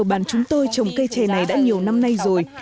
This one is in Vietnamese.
bản chúng tôi trồng cây trè này đã nhiều năm nay rồi